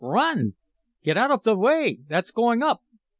"Run!" "Get out of the way! That's going up!"